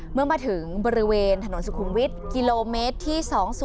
เมื่อมาถึงบริเวณถนนสุขุมวิทย์กิโลเมตรที่๒๐